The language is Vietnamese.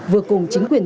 vừa cùng chính quyền